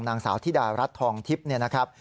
นางสาวธิดารัฐทองทิพย์เนี่ยนะครับ